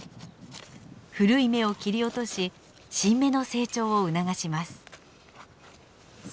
古い芽を切り落とし新芽の成長を促します。